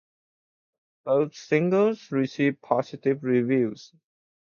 Both singles received positive reviews.